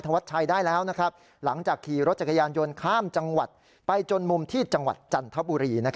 ธวัดชายได้แล้วนะครับ